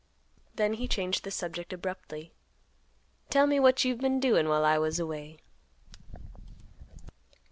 Then he changed the subject abruptly. "Tell me what you've been doin' while I was away."